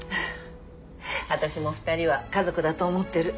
私も２人は家族だと思ってる。